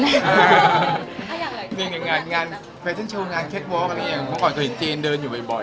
เมื่อก่อนตัวจริงเดินอยู่บ่อยอะไรอย่างนี้